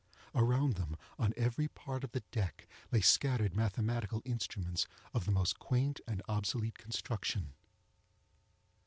Around them, on every part of the deck, lay scattered mathematical instruments of the most quaint and obsolete construction.